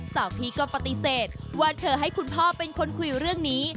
พี่ก็ปฏิเสธว่าเธอให้คุณพ่อเป็นคนคุยเรื่องนี้